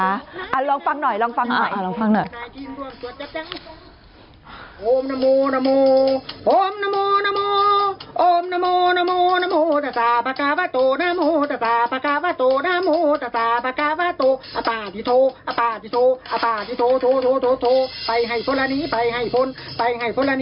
อ่ะลองฟังหน่อยลองฟังใหม่